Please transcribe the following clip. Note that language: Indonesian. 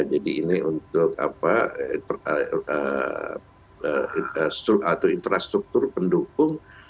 jadi ini untuk infrastruktur pendukung